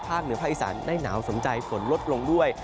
เหนือภาคอีสานได้หนาวสมใจฝนลดลงด้วย